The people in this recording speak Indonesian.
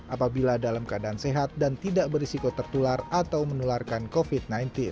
apabila dalam keadaan sehat dan tidak berisiko tertular atau menularkan covid sembilan belas